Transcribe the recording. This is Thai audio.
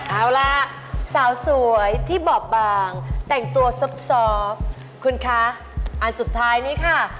เอาล่ะสาวสวยที่บอบบางแต่งตัวซอบคุณคะอันสุดท้ายนี้ค่ะ